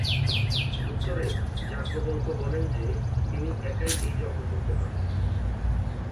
উত্তরে যাজ্ঞবল্ক্য বলেন যে, তিনি একাই এই যজ্ঞ করতে পারবেন।